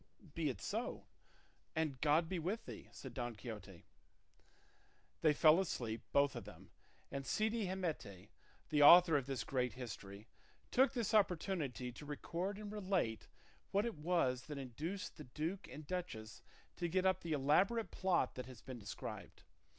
"Be it so, and God be with thee," said Don Quixote. They fell asleep, both of them, and Cide Hamete, the author of this great history, took this opportunity to record and relate what it was that induced the duke and duchess to get up the elaborate plot that has been described.